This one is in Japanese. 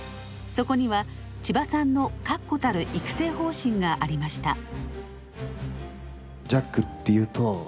そこには千葉さんの確固たる育成方針がありました。